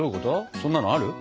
そんなのある？